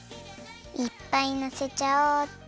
いっぱいのせちゃおう！